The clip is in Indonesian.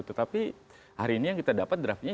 tetapi hari ini yang kita dapat draftnya